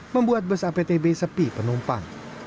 membuat bus aptb sepi penumpang